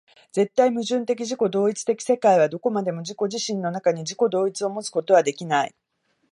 絶対矛盾的自己同一的世界はどこまでも自己自身の中に、自己同一をもつことはできない。